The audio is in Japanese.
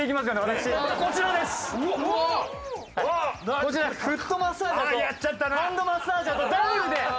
こちらフットマッサージャーとハンドマッサージャーとダブルで！